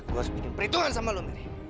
gue harus bikin perhitungan sama lo mary